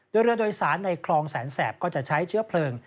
โดยเรือโดยสารในคลองแสนแสบก็จะใช้เชื้อเพลิง